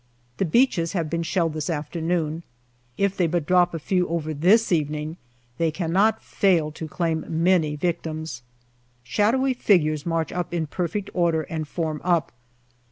The beaches have been shelled this afternoon. If they but drop a few over this evening they cannot fail to claim many victims. Shadowy figures march up in perfect order and form up.